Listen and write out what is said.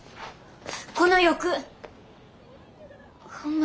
この翼。ホンマ